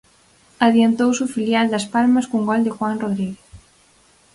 Adiantouse o filial das Palmas cun gol de Juan Rodríguez.